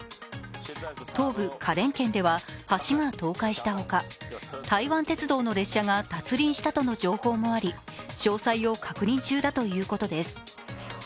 東部花蓮県では橋が倒壊したほか、台湾鉄道の列車が脱輪したとの情報もあり詳細を確認中だということです。